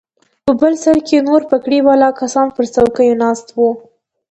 په بل سر کښې نور پګړۍ والا کسان پر چوکيو ناست وو.